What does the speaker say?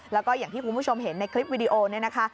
แล้วก็อย่างที่คุณผู้ชมเห็นในคลิปวิดีโอเนี่ยนะคะ